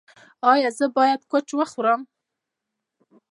ایا زه باید کوچ وخورم؟